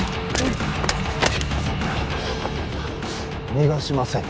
逃がしません